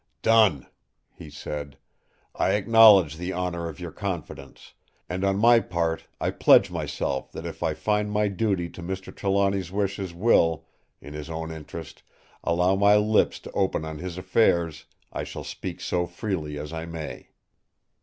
"Done!" he said. "I acknowledge the honour of your confidence; and on my part I pledge myself that if I find my duty to Mr. Trelawny's wishes will, in his own interest, allow my lips to open on his affairs, I shall speak so freely as I may."